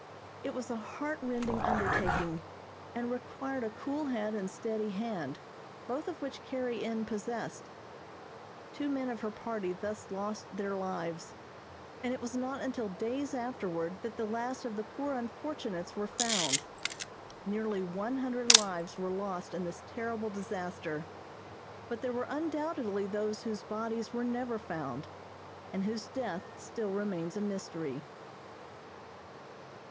It was a heart rending undertaking and required a cool head and steady hand, both of which Carrie N. possessed. Two men of her party thus lost their lives, and it was not until days afterward that the last of the poor unfortunates were found. Nearly one hundred lives were lost in this terrible disaster, but there were undoubtedly those whose bodies were never found, and whose death still remains a mystery.